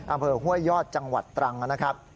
อำเภอห้วยยอดจังหวัดตรังนะครับ